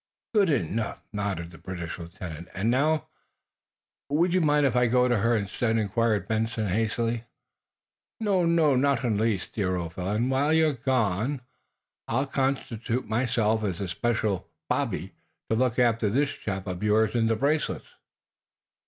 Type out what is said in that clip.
"Good enough," nodded the British lieutenant. "And now " "Would you mind if I go to her, instead?" inquired Benson, hastily. "Not in the least, dear old fellow. And, while you're gone, I'll constitute myself a special 'bobby' to look after this chap of yours in the bracelets."